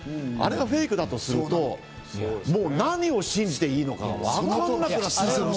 あれがフェイクだとすると、もう何を信じていいのかわかんなくなって。